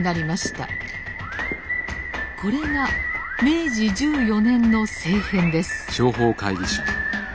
これが明治十四年の政変です。